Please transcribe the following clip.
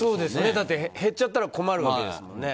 だって、減っちゃったら困るわけですもんね。